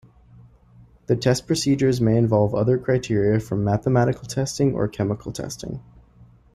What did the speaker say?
The test procedures may involve other criteria from mathematical testing or chemical testing.